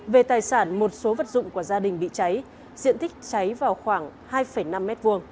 về tài sản một số vật dụng của gia đình bị cháy diện tích cháy vào khoảng hai năm m hai